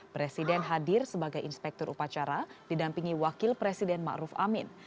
presiden hadir sebagai inspektur upacara didampingi wakil presiden ma'ruf amin